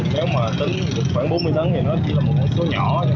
nếu mà tính khoảng bốn mươi tấn thì nó chỉ là một số nhỏ thôi